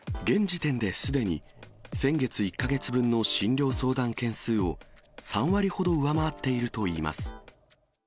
現時点ですでに先月１か月分の診療相談件数を、３割ほど上回っているといいます。